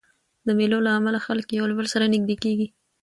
د مېلو له امله خلک له یو بل سره نږدې کېږي.